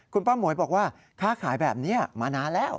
คุณป้าหมวยบอกว่าค้าขายแบบนี้มานานแล้ว